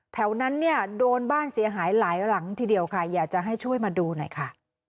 แถวนั้นเนี่ยโดนบ้านเสียหายหลายหลังทีเดียวค่ะอยากจะให้ช่วยมาดูหน่อยค่ะ